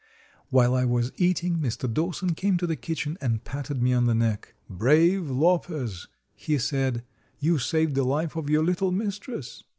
While I was eating Mr. Dawson came to the kitchen and patted me on the neck. "Brave Lopez," he said, "you saved the life of your little mistress."